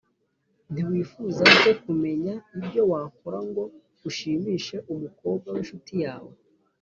ntiwifuza se kumenya ibyo wakora ngo ushimishe umukobwa w’inshuti yawe??